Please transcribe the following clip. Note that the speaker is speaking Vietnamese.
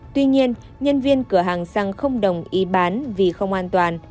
tuy nhiên nhân viên cửa hàng xăng không đồng ý bán vì không an toàn